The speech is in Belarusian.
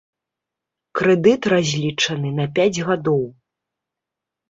Крэдыт разлічаны на пяць гадоў.